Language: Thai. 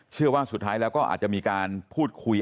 เชื่อว่าสุดท้ายแล้วก็อาจจะมีการพูดคุย